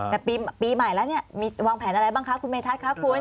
แต่ปีใหม่แล้วมีวางแผนอะไรบ้างคะคุณเมทัศน์